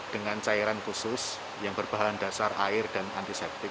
dengan cairan khusus yang berbahan dasar air dan antiseptik